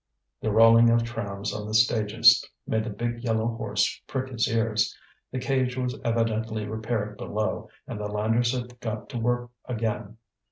The rolling of trams on the stages made the big yellow horse prick his ears. The cage was evidently repaired below, and the landers had got to work again.